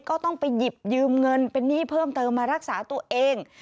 ก็ต้องไปหยิบยืมเงินเป็นหนี้เพิ่มเติมมารักษาตัวเอง